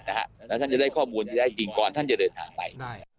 แล้วท่านจะได้ข้อมูลที่ได้จริงก่อนท่านจะเดินทางไป